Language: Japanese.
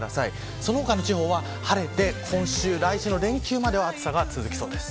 その他は晴れて来週の連休までは暑さが続きそうです。